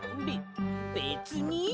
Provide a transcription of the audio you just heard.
べべつに。